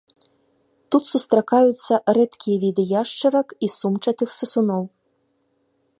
Тут сустракаюцца рэдкія віды яшчарак і сумчатых сысуноў.